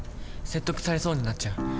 説得されそうになっちゃう。